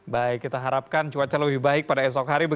baik kita harapkan cuaca lebih baik pada esok hari